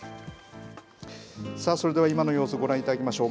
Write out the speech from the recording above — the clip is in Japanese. それでは今の様子、ご覧いただきましょう。